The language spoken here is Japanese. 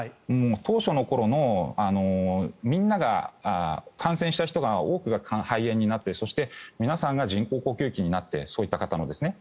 当初の頃のみんなが感染した人が多くが肺炎になってそして、皆さんが人工呼吸器になってそういった方もですね。